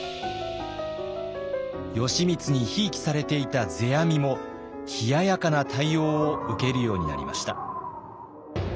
義満にひいきされていた世阿弥も冷ややかな対応を受けるようになりました。